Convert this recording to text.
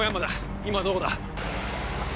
今どこだ？